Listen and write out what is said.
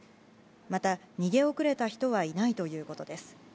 また、逃げ遅れた人はいないということです。